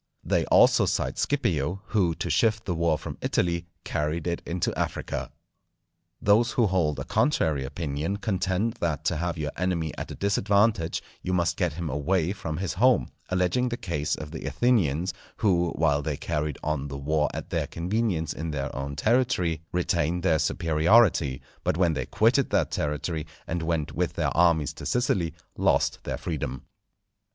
They also cite Scipio, who to shift the war from Italy, carried it into Africa. Those who hold a contrary opinion contend that to have your enemy at a disadvantage you must get him away from his home, alleging the case of the Athenians, who while they carried on the war at their convenience in their own territory, retained their superiority; but when they quitted that territory, and went with their armies to Sicily, lost their freedom.